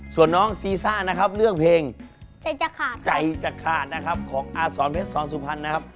ส่วนน้องซีซ่านะครับเลือกเพลงใจจะขาดของอาสรเม็ดสอนสุพรรณนะครับ